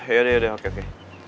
yaudah oke oke